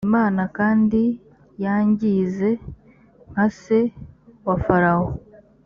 imana kandi yangize nka se wa farawo